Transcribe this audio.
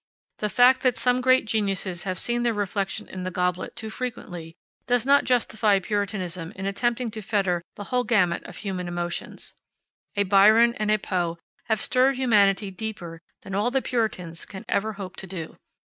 The fact that some great geniuses have seen their reflection in the goblet too frequently, does not justify Puritanism in attempting to fetter the whole gamut of human emotions. A Byron and a Poe have stirred humanity deeper than all the Puritans can ever hope to do.